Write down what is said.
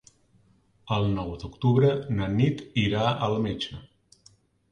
El nou d'octubre na Nit irà al metge.